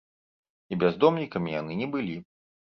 І бяздомнікамі яны не былі.